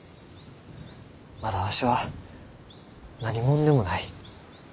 まだわしは何者でもない。